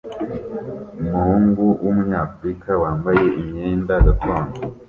Umuhungu wumunyafurika wambaye imyenda gakondo